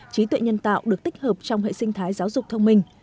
trí tuệ nhân tạo được tích hợp trong hệ sinh thái giáo dục thông minh